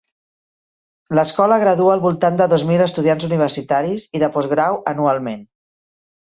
L'escola gradua al voltant de dos mil estudiants universitaris i de postgrau anualment.